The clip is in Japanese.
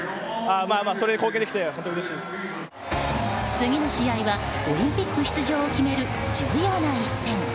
次の試合はオリンピック出場を決める重要な一戦。